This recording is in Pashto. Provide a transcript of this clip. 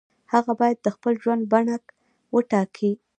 هغه باید د خپل ژوند بڼه وټاکي.